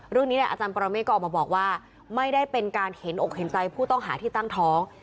เรื่องนี้เนี่ยอาจารย์ปรเมฆก็ออกมาบอกว่าไม่ได้เป็นการเห็นอกเห็นใจผู้ต้องหาที่ตั้งท้อง